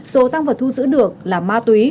số tăng vật thu giữ được là ma túy